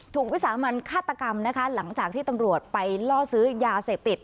วิสามันฆาตกรรมนะคะหลังจากที่ตำรวจไปล่อซื้อยาเสพติด